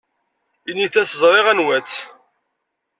Init-as ẓriɣ anwa-tt.